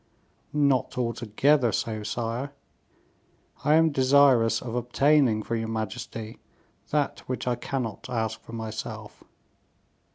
"Not altogether so, sire. I am desirous of obtaining from your majesty that which I cannot ask for myself.